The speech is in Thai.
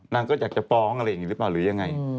นางก็อยากจะฟ้องอะไรอย่างนี้หรือเปล่าหรือยังไง